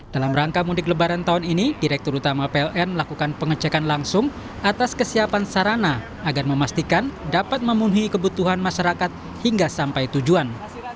dalam rangka mudik lebaran tahun ini direktur utama pln melakukan pengecekan langsung atas kesiapan sarana agar memastikan dapat memenuhi kebutuhan masyarakat hingga sampai tujuan